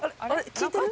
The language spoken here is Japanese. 聞いてる？